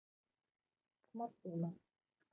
困っています。